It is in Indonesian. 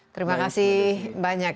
terima kasih banyak